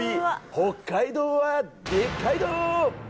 北海道はでっかいどう！